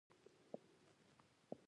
د افغانستان میوه د مینې پیغام دی.